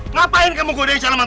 masih udah tenang